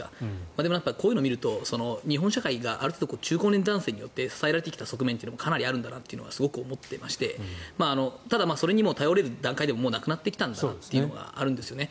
でも、こういうのを見ると日本社会がある程度中高年男性によって支えられてきた側面もかなりあるなと思ってましてただ、それにも頼れる段階ではなくなってきたんだなというのがあるんですね。